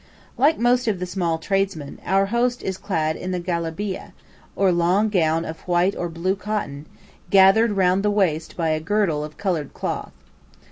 Like most of the small tradesmen, our host is clad in a "gelabieh," or long gown of white or blue cotton, gathered round the waist by a girdle of coloured cloth.